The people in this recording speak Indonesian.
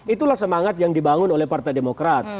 itulah semangat yang dibangun oleh partai demokrat